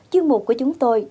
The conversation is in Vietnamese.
chương mục của chúng tôi